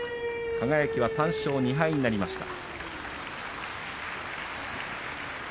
輝は３勝２敗になりました。